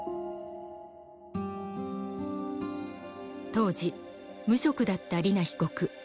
当時無職だった莉菜被告。